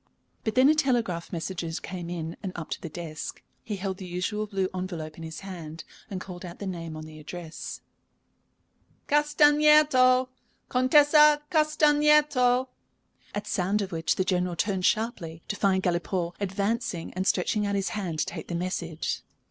But then a telegraph messenger came in and up to the desk. He held the usual blue envelope in his hand, and called out the name on the address: "Castagneto. Contessa Castagneto." At sound of which the General turned sharply, to find Galipaud advancing and stretching out his hand to take the message.